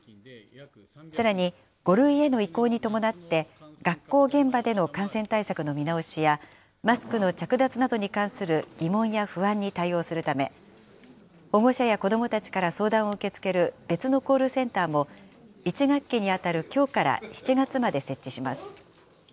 さらに、５類への移行に伴って、学校現場での感染対策の見直しや、マスクの着脱などに関する疑問や不安に対応するため、保護者や子どもたちから相談を受け付ける別のコールセンターも、１学期にあたるきょうから７月まで設置します。